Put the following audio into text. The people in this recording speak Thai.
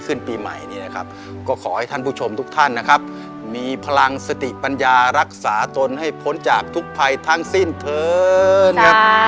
ขอให้คุณผู้ชมทุกท่านนะครับมีพลังสนุกปัญญารักษาตนให้พ้นจากทุกภัยทั้งสิ้นเถิ้น